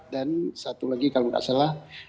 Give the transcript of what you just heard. dan satu lagi kalau gak salah